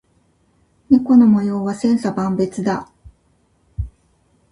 猫の模様は千差万別だ。